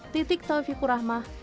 titik taufikur rahmah